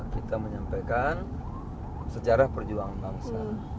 kita menyampaikan sejarah perjuangan bangsa